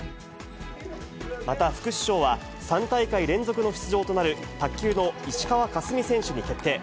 また、副主将は、３大会連続の出場となる、卓球の石川佳純選手に決定。